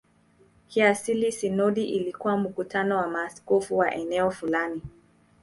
Kiasili sinodi ilikuwa mkutano wa maaskofu wa eneo fulani.